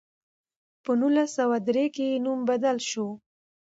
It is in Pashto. په نولس سوه درې کې یې نوم بدل شو.